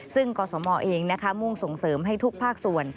ซึ่งกศมเองมุ่งส่งเสริมให้ทุกภาคส่วน